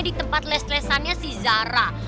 di tempat les lesannya si zara